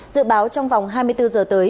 dự báo trong vòng hai mươi bốn giờ tới